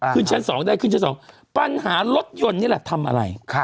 ขึ้นชั้น๒ได้ขึ้นชั้น๒ปัญหารถยนต์นี่แหละทำอะไร